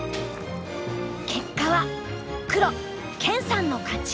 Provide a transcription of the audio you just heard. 結果は黒研さんの勝ち。